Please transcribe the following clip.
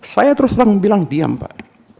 saya terus terang bilang diam pak